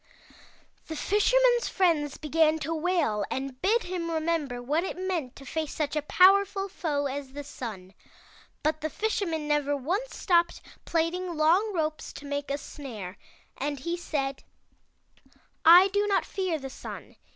"The Fisherman's friends began to wail, and bid him remember what it meant to face such a powerful foe as the Sun. But the Fisherman never once stopped plaiting long ropes to make 206 THROUGH FAIRY HALLS a snare, and he said; *I do not fear the Sun.